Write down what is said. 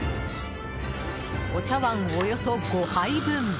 お茶碗およそ５杯分！